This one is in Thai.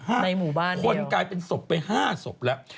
ในหมู่บ้านคนกลายเป็นศพไป๕ศพแล้ว